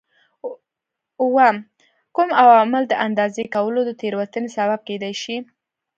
اووم: کوم عوامل د اندازه کولو د تېروتنې سبب کېدای شي؟